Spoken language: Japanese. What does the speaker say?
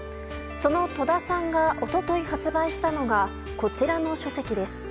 その戸田さんが一昨日発売したのがこちらの書籍です。